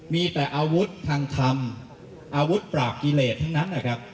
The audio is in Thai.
มีแต่อาวุธทางธรรมอาวุธปราบกิเลสทั้งนั้นนะครับ